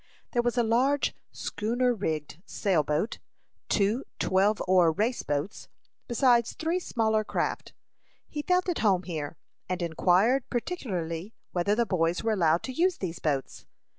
There was a large schooner rigged sail boat, two twelve oar race boats, besides three smaller craft. He felt at home here, and inquired particularly whether the boys were allowed to use these boats.